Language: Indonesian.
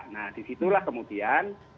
nah disitulah kemudian